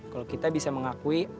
kalau kita bisa mengakui